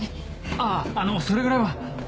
あぁあのそれぐらいは。